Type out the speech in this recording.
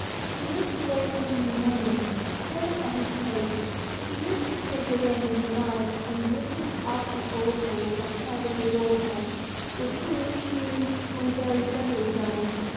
She used to wake him in the morning, pulling at his coat; she used to take the reins in her mouth, and bring him up the old horse that carried the water, with whom she was on very friendly terms.